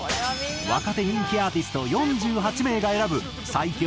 若手人気アーティスト４８名が選ぶ最強